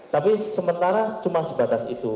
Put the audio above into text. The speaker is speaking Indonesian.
tapi sementara cuma sebatas itu